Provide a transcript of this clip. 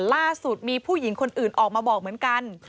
ล่าสุดมีผู้หญิงคนอื่นออกมาบอกเหมือนกัน